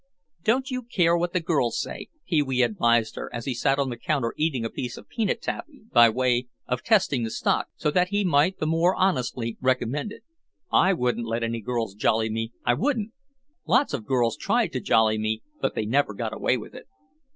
"Don't you care what the girls say," Pee wee advised her as he sat on the counter eating a piece of peanut taffy by way of testing the stock, so that he might the more honestly recommend it. "I wouldn't let any girls jolly me, I wouldn't. Lots of girls tried to jolly me but they never got away with it."